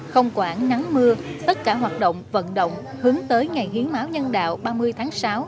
không quản nắng mưa tất cả hoạt động vận động hướng tới ngày hiến máu nhân đạo ba mươi tháng sáu